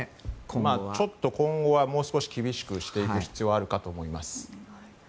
ちょっと今後はもう少し厳しくしていく必要はあるかと思います。